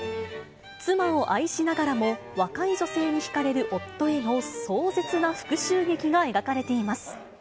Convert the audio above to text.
妻を愛しながらも若い女性に引かれる夫への壮絶な復しゅう劇が描かれています。